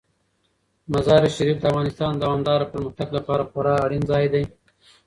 مزارشریف د افغانستان د دوامداره پرمختګ لپاره خورا اړین ځای دی.